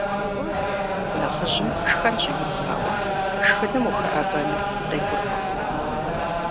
Нэхъыжьым шхэн щӏимыдзауэ шхыным ухэӏэбэныр къеукӏуркъым.